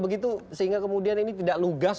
begitu sehingga kemudian ini tidak lugas